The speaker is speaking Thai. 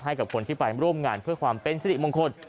ให้กับคนที่ไปร่วมงานเพื่อความเป็นสิริมงคล